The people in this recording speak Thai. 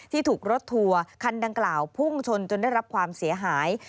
ถูกรถทัวร์คันดังกล่าวพุ่งชนจนได้รับความเสียหาย